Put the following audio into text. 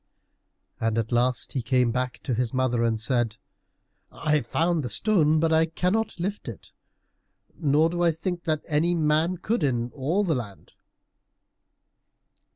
And at last he came back to his mother and said, "I have found the stone, but I cannot lift it, nor do I think that any man could, in all the land."